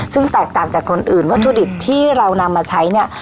ซึ่งแตกต่างจากคนอื่นวัตถุดิบที่เรานำมาใช้เนี่ย